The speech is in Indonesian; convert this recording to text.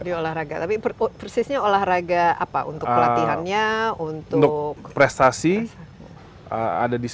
tapi persisnya olahraga apa untuk pelatihannya untuk